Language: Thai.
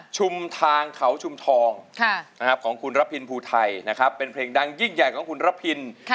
ชุมทางเขาชุมทองของคุณระพินภูไทยนะครับเป็นเพลงดังยิ่งใหญ่ของคุณระพิน